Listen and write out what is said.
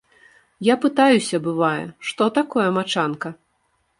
Я пытаюся, бывае, што такое мачанка?